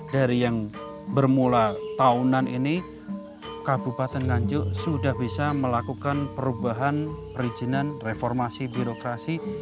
dari yang bermula tahunan ini kabupaten nganjuk sudah bisa melakukan perubahan perizinan reformasi birokrasi